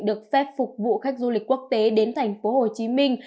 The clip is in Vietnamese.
được phép phục vụ khách du lịch quốc tế đến thành phố hồ chí minh